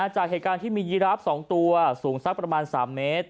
จากเหตุการณ์ที่มียีราฟ๒ตัวสูงสักประมาณ๓เมตร